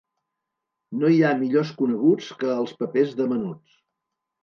No hi ha millors coneguts que els papers de menuts.